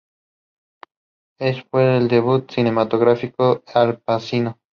Este fue el debut cinematográfico de Al Pacino.